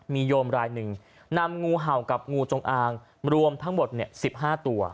มีโยมรายหนึ่งนำงูเห่ากับงูจงอางรวมทั้งหมด๑๕ตัว